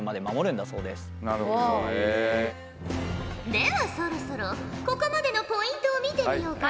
ではそろそろここまでのポイントを見てみようかのう。